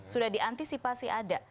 sudah diantisipasi ada